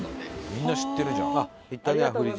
みんな知ってるじゃん。